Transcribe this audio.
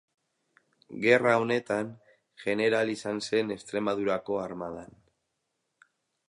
Gerra honetan, jeneral izan zen Extremadurako armadan.